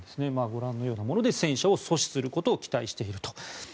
ご覧のようなもので戦車を阻止することを期待していると。